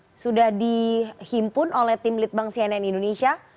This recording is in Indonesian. yang dulu sudah dihimpun oleh tim lead bank cnn indonesia